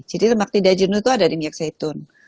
jadi lemak tidak jenuh itu ada di minyak sehitung